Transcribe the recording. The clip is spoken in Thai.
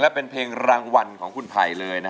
และเป็นเพลงรางวัลของคุณไผ่เลย